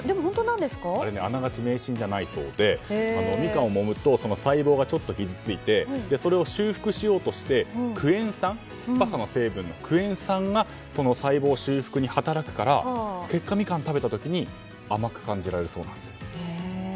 あながち迷信じゃないそうでミカンをもむと細胞がちょっと傷ついてそれを修復しようとして酸っぱさの成分、クエン酸が細胞修復に働くから結果、ミカンを食べた時に甘く感じられるそうです。